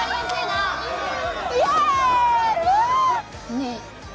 ねえ